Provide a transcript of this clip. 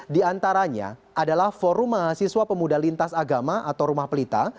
di antaranya adalah forum mahasiswa pemuda lintas agama atau rumah pelita